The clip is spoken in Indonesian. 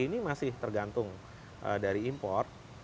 ini masih tergantung dari impor